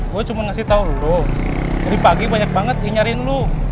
gue cuma ngasih tau lu dari pagi banyak banget yang nyariin lu